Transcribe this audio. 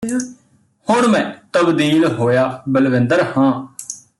ਹੁਣ ਮੈਂ ਤਬਦੀਲ ਹੋਇਆ ਬਲਵਿੰਦਰ ਹਾਂ